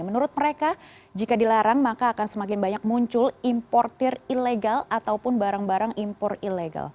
menurut mereka jika dilarang maka akan semakin banyak muncul importer ilegal ataupun barang barang impor ilegal